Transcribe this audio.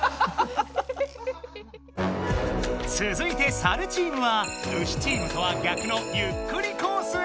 つづいてサルチームはウシチームとは逆のゆっくりコースへ。